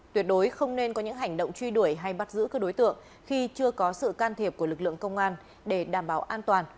tuyệt đối không nên có những hành động truy đuổi hay bắt giữ các đối tượng khi chưa có sự can thiệp của lực lượng công an để đảm bảo an toàn